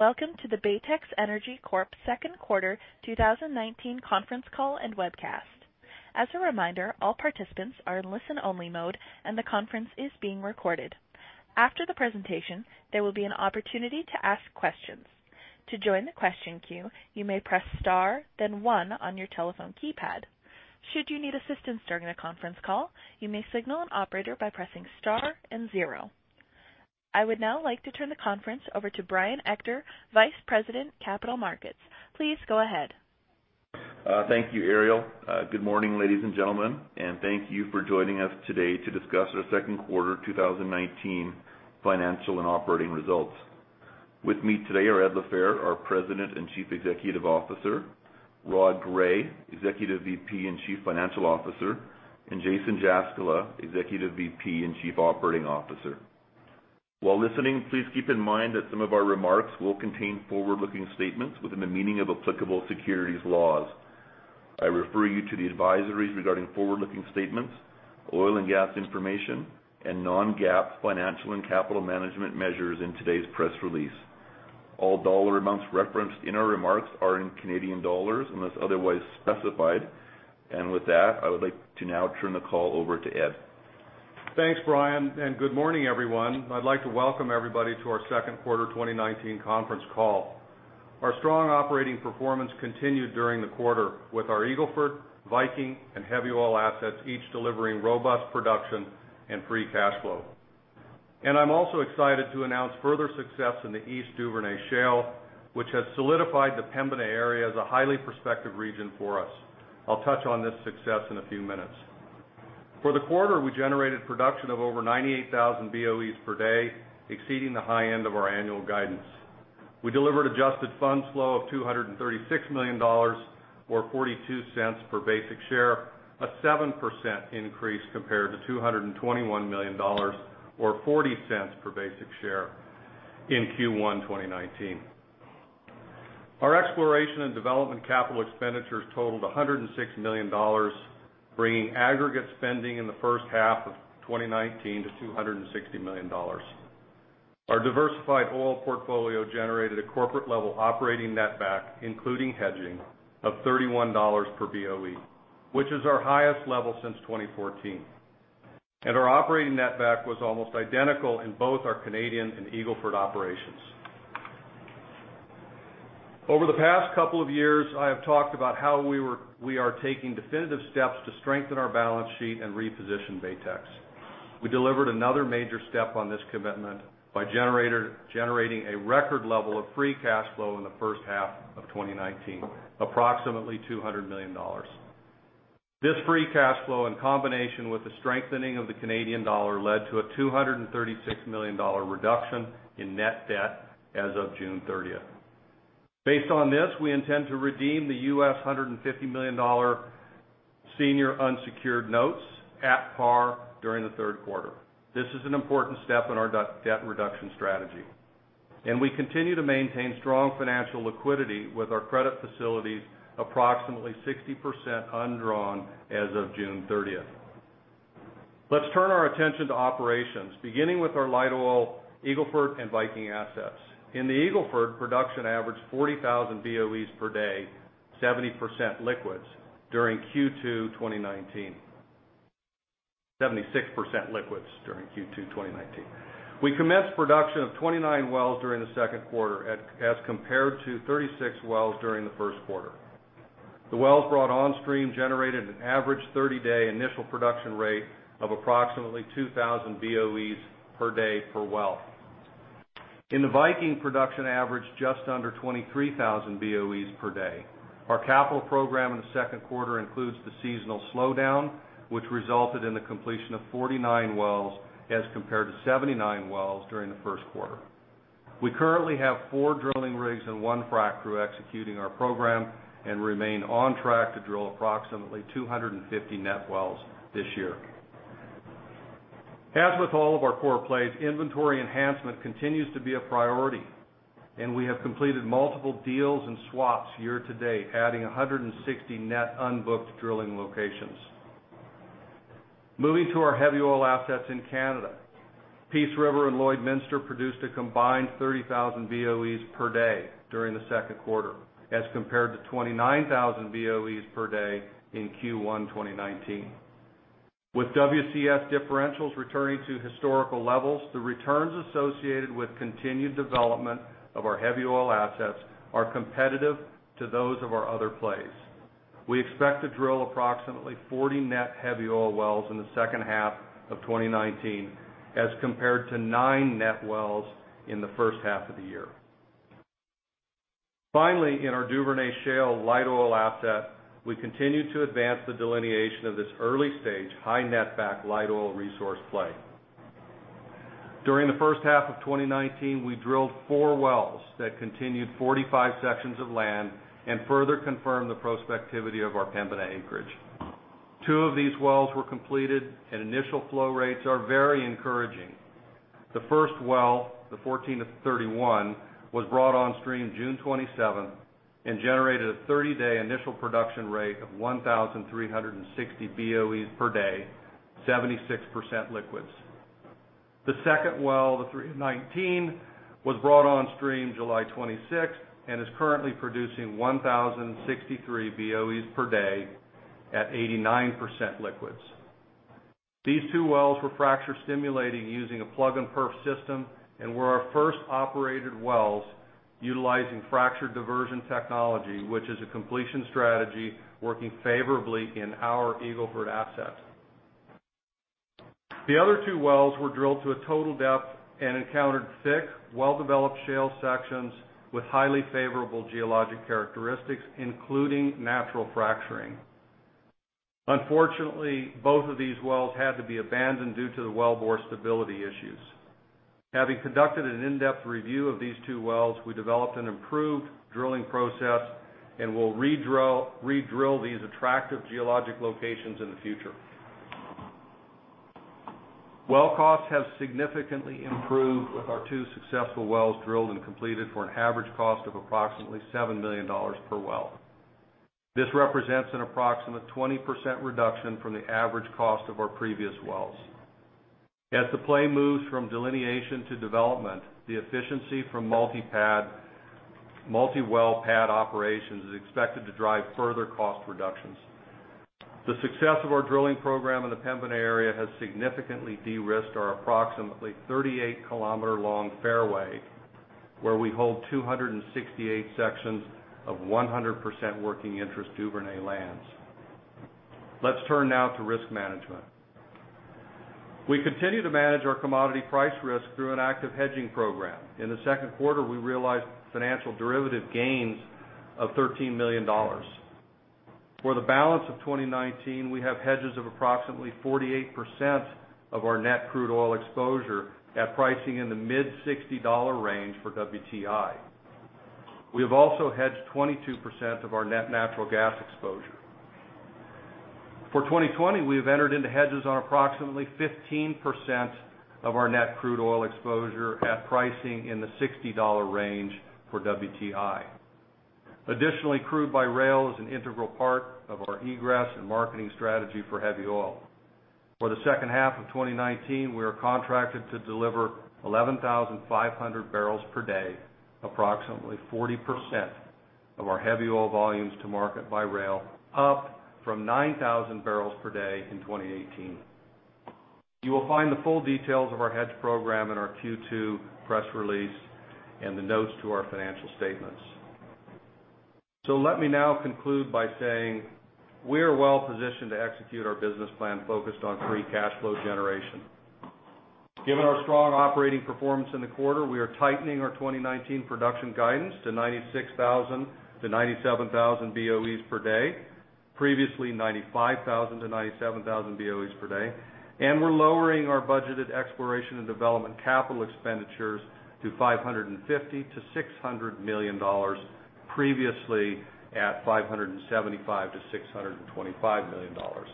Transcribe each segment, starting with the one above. Welcome to the Baytex Energy Corp. second quarter 2019 conference call and webcast. As a reminder, all participants are in listen-only mode and the conference is being recorded. After the presentation, there will be an opportunity to ask questions. To join the question queue, you may press Star, then one on your telephone keypad. Should you need assistance during the conference call, you may signal an operator by pressing Star and zero. I would now like to turn the conference over to Brian Ector, Vice President, Capital Markets. Please go ahead. Thank you, Ariel. Good morning, ladies and gentlemen, and thank you for joining us today to discuss our second quarter 2019 financial and operating results. With me today are Ed LaFehr, our President and Chief Executive Officer, Rod Gray, Executive VP and Chief Financial Officer, and Jason Jaskula, Executive VP and Chief Operating Officer. While listening, please keep in mind that some of our remarks will contain forward-looking statements within the meaning of applicable securities laws. I refer you to the advisories regarding forward-looking statements, oil and gas information, and non-GAAP financial and capital management measures in today's press release. All dollar amounts referenced in our remarks are in Canadian dollars unless otherwise specified. And with that, I would like to now turn the call over to Ed. Thanks, Brian, and good morning, everyone. I'd like to welcome everybody to our second quarter twenty nineteen conference call. Our strong operating performance continued during the quarter with our Eagle Ford, Viking, and heavy oil assets, each delivering robust production and free cash flow. I'm also excited to announce further success in the East Duvernay Shale, which has solidified the Pembina area as a highly prospective region for us. I'll touch on this success in a few minutes. For the quarter, we generated production of over 98,000 BOEs per day, exceeding the high end of our annual guidance. We delivered adjusted funds flow of 236 million dollars, or 0.42 per basic share, a 7% increase compared to 221 million dollars or 0.40 per basic share in Q1 2019. Our exploration and development capital expenditures totaled 106 million dollars, bringing aggregate spending in the first half of 2019 to 260 million dollars. Our diversified oil portfolio generated a corporate-level operating netback, including hedging, of 31 dollars per BOE, which is our highest level since 2014. And our operating netback was almost identical in both our Canadian and Eagle Ford operations. Over the past couple of years, I have talked about how we are taking definitive steps to strengthen our balance sheet and reposition Baytex. We delivered another major step on this commitment by generating a record level of free cash flow in the first half of 2019, approximately 200 million dollars. This free cash flow, in combination with the strengthening of the Canadian dollar, led to a 236 million dollar reduction in net debt as of June thirtieth. Based on this, we intend to redeem the $150 million senior unsecured notes at par during the third quarter. This is an important step in our debt reduction strategy, and we continue to maintain strong financial liquidity with our credit facilities, approximately 60% undrawn as of June thirtieth. Let's turn our attention to operations, beginning with our light oil, Eagle Ford, and Viking assets. In the Eagle Ford, production averaged 40,000 BOEs per day, 70% liquids during Q2 2019, 76% liquids during Q2 2019. We commenced production of 29 wells during the second quarter, as compared to 36 wells during the first quarter. The wells brought on stream generated an average thirty-day initial production rate of approximately 2,000 BOEs per day per well. In the Viking production average, just under 23,000 BOEs per day. Our capital program in the second quarter includes the seasonal slowdown, which resulted in the completion of 49 wells, as compared to 79 wells during the first quarter. We currently have four drilling rigs and one frac crew executing our program and remain on track to drill approximately 250 net wells this year. As with all of our core plays, inventory enhancement continues to be a priority, and we have completed multiple deals and swaps year to date, adding 160 net unbooked drilling locations. Moving to our heavy oil assets in Canada. Peace River and Lloydminster produced a combined 30,000 BOEs per day during the second quarter, as compared to 29,000 BOEs per day in Q1 2019. With WCS differentials returning to historical levels, the returns associated with continued development of our heavy oil assets are competitive to those of our other plays. We expect to drill approximately 40 net heavy oil wells in the second half of 2019, as compared to nine net wells in the first half of the year. Finally, in our Duvernay Shale light oil asset, we continued to advance the delineation of this early-stage, high-netback light oil resource play. During the first half of 2019, we drilled four wells that controlled 45 sections of land and further confirmed the prospectivity of our Pembina acreage. Two of these wells were completed, and initial flow rates are very encouraging. The first well, the 14 of 31, was brought on stream June 27th and generated a 30-day initial production rate of 1,360 BOEs per day, 76% liquids. The second well, the 3-19, was brought on stream July 26 and is currently producing 1,063 BOEs per day at 89% liquids. These two wells were fracture stimulated using a plug-and-perf system and were our first operated wells utilizing fracture diversion technology, which is a completion strategy working favorably in our Eagle Ford assets. The other two wells were drilled to a total depth and encountered thick, well-developed shale sections with highly favorable geologic characteristics, including natural fracturing. Unfortunately, both of these wells had to be abandoned due to the wellbore stability issues. Having conducted an in-depth review of these two wells, we developed an improved drilling process and will redrill, redrill these attractive geologic locations in the future. Well costs have significantly improved with our two successful wells drilled and completed for an average cost of approximately 7 million dollars per well. This represents an approximate 20% reduction from the average cost of our previous wells. As the play moves from delineation to development, the efficiency from multi-pad multi-well pad operations is expected to drive further cost reductions. The success of our drilling program in the Pembina area has significantly de-risked our approximately 38 kilometer-long fairway, where we hold 268 sections of 100% working interest Duvernay lands. Let's turn now to risk management. We continue to manage our commodity price risk through an active hedging program. In the second quarter, we realized financial derivative gains of $13 million. For the balance of 2019, we have hedges of approximately 48% of our net crude oil exposure at pricing in the mid-$60 range for WTI. We have also hedged 22% of our net natural gas exposure. For 2020, we have entered into hedges on approximately 15% of our net crude oil exposure at pricing in the $60 range for WTI. Additionally, crude by rail is an integral part of our egress and marketing strategy for heavy oil. For the second half of 2019, we are contracted to deliver 11,500 barrels per day, approximately 40% of our heavy oil volumes to market by rail, up from 9,000 barrels per day in 2018. You will find the full details of our hedge program in our Q2 press release and the notes to our financial statements. So let me now conclude by saying we are well positioned to execute our business plan focused on free cash flow generation. Given our strong operating performance in the quarter, we are tightening our 2019 production guidance to 96,000 to 97,000 BOEs per day, previously 95,000 to 97,000 BOEs per day, and we're lowering our budgeted exploration and development capital expenditures to 550-600 million dollars, previously at 575-625 million dollars.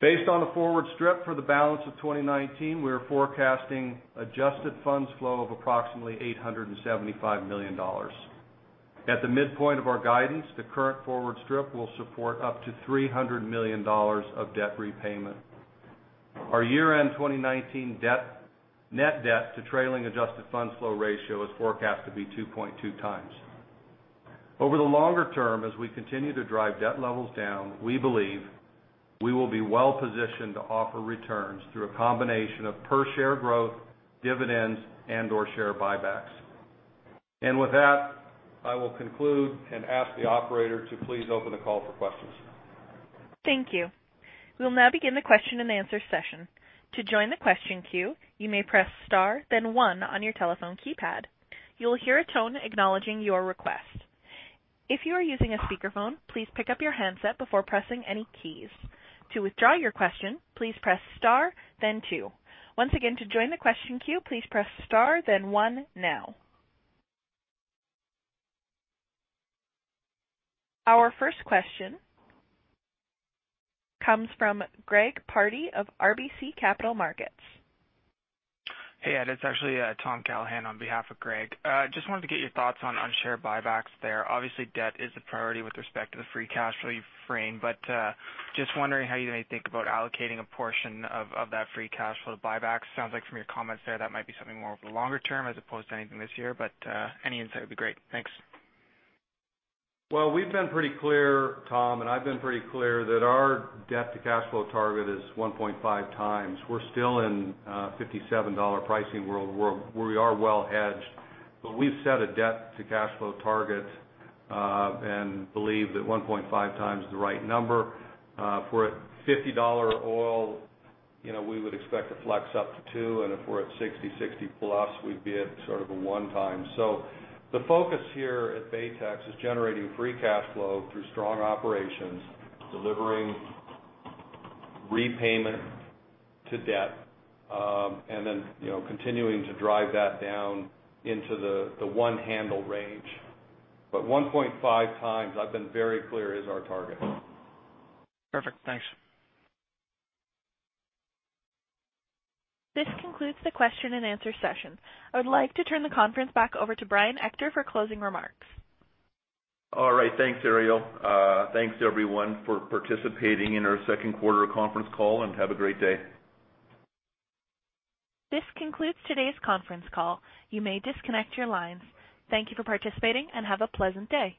Based on the forward strip for the balance of 2019, we are forecasting adjusted funds flow of approximately 875 million dollars. At the midpoint of our guidance, the current forward strip will support up to $300 million of debt repayment. Our year-end 2019 debt - net debt to trailing adjusted funds flow ratio is forecast to be 2.2 times. Over the longer term, as we continue to drive debt levels down, we believe we will be well positioned to offer returns through a combination of per share growth, dividends, and/or share buybacks. And with that, I will conclude and ask the operator to please open the call for questions. Thank you. We'll now begin the question-and-answer session. To join the question queue, you may press star, then one on your telephone keypad. You will hear a tone acknowledging your request. If you are using a speakerphone, please pick up your handset before pressing any keys. To withdraw your question, please press star then two. Once again, to join the question queue, please press star, then one now. Our first question comes from Greg Pardy of RBC Capital Markets. Hey, Ed, it's actually, Tom Callahan on behalf of Greg. Just wanted to get your thoughts on share buybacks there. Obviously, debt is a priority with respect to the free cash flow you frame, but, just wondering how you may think about allocating a portion of that free cash flow to buybacks. Sounds like from your comments there, that might be something more over the longer term as opposed to anything this year, but, any insight would be great. Thanks. We've been pretty clear, Tom, and I've been pretty clear that our debt to cash flow target is 1.5 times. We're still in a $57 pricing world where we are well hedged, but we've set a debt to cash flow target, and believe that 1.5 times is the right number. For a $50 oil, you know, we would expect to flex up to 2, and if we're at 60, 60 plus, we'd be at sort of a 1 time. So the focus here at Baytex is generating free cash flow through strong operations, delivering repayment to debt, and then, you know, continuing to drive that down into the 1 handle range. But 1.5 times, I've been very clear, is our target. Perfect. Thanks. This concludes the question-and-answer session. I would like to turn the conference back over to Brian Ector for closing remarks. All right. Thanks, Ariel. Thanks, everyone, for participating in our second quarter conference call, and have a great day. This concludes today's conference call. You may disconnect your lines. Thank you for participating, and have a pleasant day.